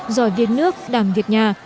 giỏi viết nước đảm việt nhà